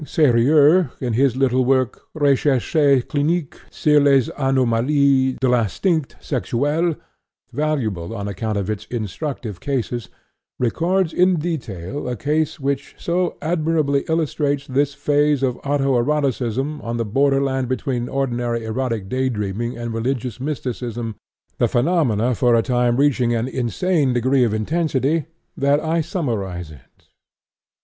" Sérieux, in his little work, Recherches Cliniques sur les Anomalies de l'Instinct Sexuel, valuable on account of its instructive cases, records in detail a case which so admirably illustrates this phase of auto erotism on the borderland between ordinary erotic day dreaming and religious mysticism, the phenomena for a time reaching an insane degree of intensity, that I summarize it.